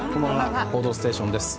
「報道ステーション」です。